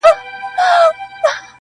• زه هم دعاوي هر ماښام كومه.